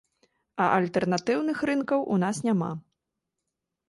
А альтэрнатыўных рынкаў у нас няма.